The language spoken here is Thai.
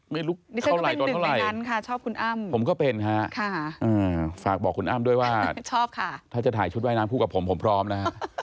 ไม่รู้เข้าไหลตนเข้าไหล่ผมก็เป็นค่ะฝากบอกคุณอ้ำด้วยว่าถ้าจะถ่ายชุดใว้น้ำพูดกับผมผมพร้อมนะ